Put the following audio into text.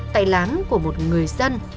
tại lán của một người dân